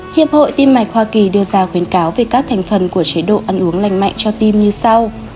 hiệp hội tim mạch hoa kỳ đưa ra khuyến cáo về các thành phần của chế độ ăn uống lành mạnh cho tim như sau